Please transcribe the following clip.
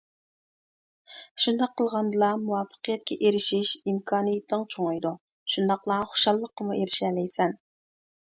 شۇنداق قىلغاندىلا، مۇۋەپپەقىيەتكە ئېرىشىش ئىمكانىيىتىڭ چوڭىيىدۇ، شۇنداقلا خۇشاللىققىمۇ ئېرىشەلەيسەن.